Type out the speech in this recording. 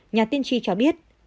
nhà tiên tri cho biết